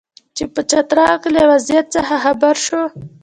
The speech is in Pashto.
چې په چترال کې له وضعیت څخه خبر شو.